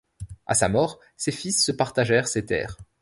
À sa mort, ses fils se partagèrent ses terres.